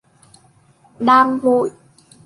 Đang vội